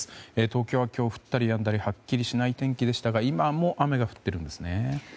東京は今日、降ったりやんだりはっきりしない天気でしたが今も雨が降っているんですね。